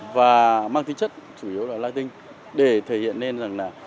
và mang tính chất chủ yếu là latin để thể hiện nên rằng là